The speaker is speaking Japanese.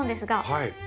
はい。